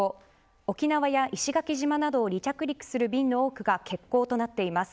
沖縄や石垣島などを離着陸する便の多くが欠航となっています。